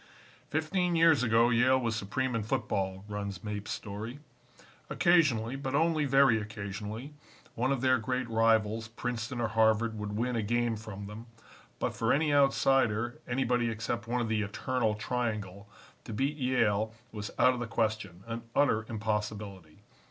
"Fifteen years ago Yale was supreme in football," runs Mapes' story. "Occasionally, but only very occasionally, one of their great rivals, Princeton or Harvard, would win a game from them, but for any outsider, anybody except one of the 'Eternal Triangle,' to beat Yale was out of the question an utter impossibility.